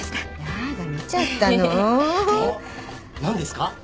何ですか？